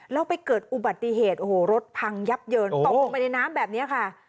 แล้วไปเกิดอุบัติเหตุโอ้โหรถพังยับเยินตกลงไปในน้ำแบบนี้ค่ะ